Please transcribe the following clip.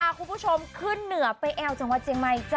คุณผู้ชมขึ้นเหนือไปแอวจังหวัดเจียงใหม่จ้